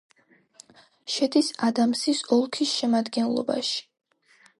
შედის ადამსის ოლქის შემადგენლობაში.